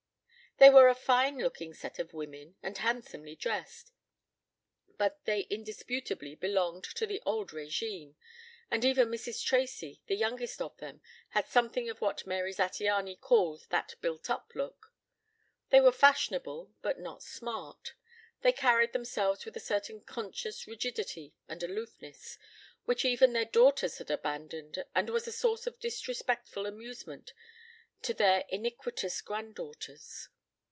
They were a fine looking set of women and handsomely dressed, but they indisputably belonged to the old régime, and even Mrs. Tracy, the youngest of them, had something of what Mary Zattiany called that built up look. They were fashionable but not smart. They carried themselves with a certain conscious rigidity and aloofness which even their daughters had abandoned and was a source of disrespectful amusement to their iniquitous granddaughters.